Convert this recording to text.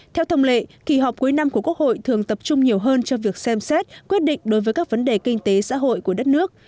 theo thông lệ kỳ họp cuối năm của quốc hội thường tập trung nhiều hơn cho việc xem xét quyết định đối với các vấn đề kinh tế xã hội của đất nước